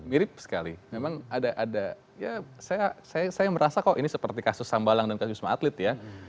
mirip sekali memang ada ya saya merasa kok ini seperti kasus sambalang dan kasus wisma atlet ya